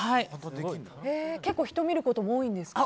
結構人を見ることが多いんですか？